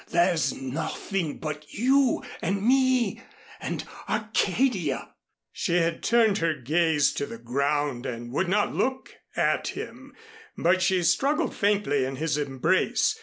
There's nothing but you and me and Arcadia." She had turned her gaze to the ground and would not look at him but she struggled faintly in his embrace.